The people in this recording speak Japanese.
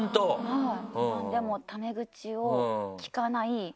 はい。